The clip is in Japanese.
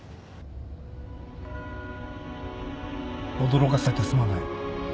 驚かせてすまない